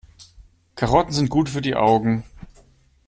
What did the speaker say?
Karotten sind gut für die Augen.